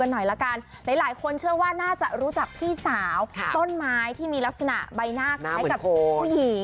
หน่อยละกันหลายคนเชื่อว่าน่าจะรู้จักพี่สาวต้นไม้ที่มีลักษณะใบหน้าคล้ายกับผู้หญิง